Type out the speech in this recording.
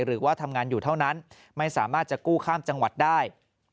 หรือว่าทำงานอยู่เท่านั้นไม่สามารถจะกู้ข้ามจังหวัดได้